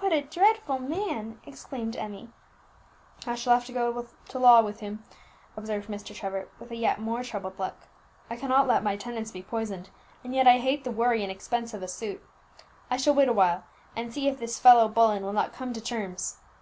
"What a dreadful man!" exclaimed Emmie. "I shall have to go to law with him," observed Mr. Trevor, with a yet more troubled look; "I cannot let my tenants be poisoned, and yet I hate the worry and expense of a suit. I shall wait a while, and see if this fellow Bullen will not come to terms.